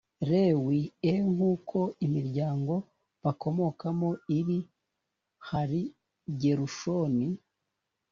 lewi e nk uko imiryango bakomokamo iri hari gerushoni